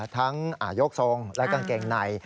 ยกทรงและกางเกงใน